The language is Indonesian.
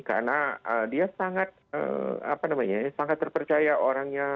karena dia sangat terpercaya orangnya